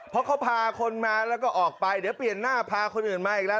เพราะเขาพาคนมาแล้วก็ออกไปเดี๋ยวเปลี่ยนหน้าพาคนอื่นมาอีกแล้ว